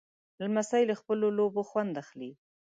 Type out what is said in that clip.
لمسی له خپلو لوبو خوند اخلي.